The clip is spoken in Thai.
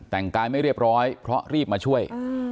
แต่งกายไม่เรียบร้อยเพราะรีบมาช่วย